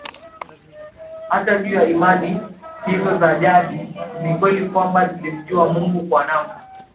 Hata juu ya imani hizo za jadi ni kweli kwamba zilimjua Mungu kwa namna